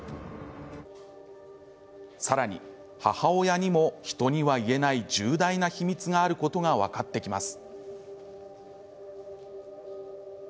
さらに母親にも、人には言えない重大な秘密があることが分かってきます。